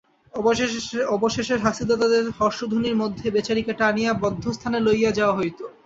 অবশেষে শাস্তিদাতাদের হর্ষধ্বনির মধ্যে বেচারীকে টানিয়া বধ্যস্থানে লইয়া যাওয়া হইত।